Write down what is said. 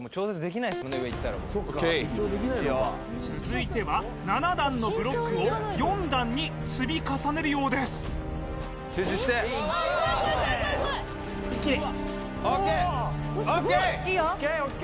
続いては７段のブロックを４段に積み重ねるようです集中して！ＯＫ！ＯＫ！